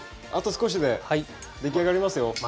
あと少しで出来上がりますよ。